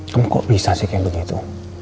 kamu kok bisa sih kayak begitu